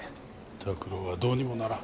拓郎はどうにもならん。